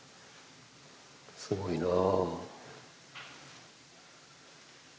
すごいなぁ。